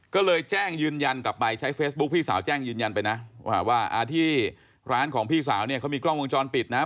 ก็เลยแจ้งยืนยันกลับไปใช้เฟซบุ๊คพี่สาวแจ้งยืนยันไปนะว่าที่ร้านของพี่สาวเนี่ยเขามีกล้องวงจรปิดนะ